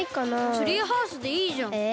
ツリーハウスでいいじゃん。え。